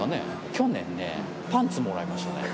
去年ね、パンツもらいましたね。